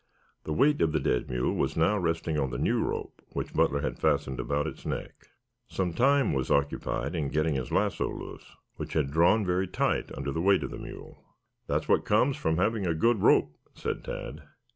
The weight of the dead mule was now resting on the new rope which Butler had fastened about its neck. Some time was occupied in getting his lasso loose, which had drawn very tight under the weight of the mule. "That's what comes from having a good rope," said Tad.